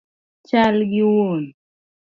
Chal gi wuon